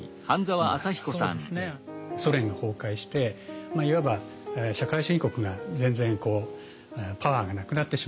ソ連が崩壊していわば社会主義国が全然パワーがなくなってしまった。